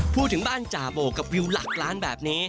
พูดถึงบ้านจ่าโบกกับวิวหลักล้านแบบนี้